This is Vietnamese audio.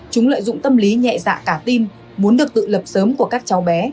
chúng lợi dụng tâm lý nhẹ dạ cả tin muốn được tự lập sớm của các cháu bé